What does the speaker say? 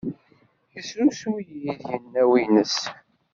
Yessru-iyi-d yinaw-nnes.